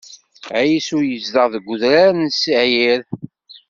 Ɛisu yezdeɣ deg udrar n Siɛir.